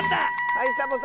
はいサボさん。